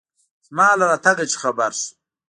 زما له راتگه چې خبر سو.